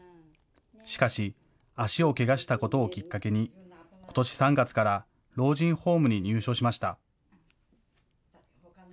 しかし、足をけがしたことをきっかけに、ことし３月から老人ホームに入所しました。